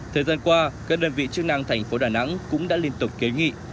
thời gian qua các đơn vị chức năng thành phố đà nẵng cũng đã liên tục kế nghị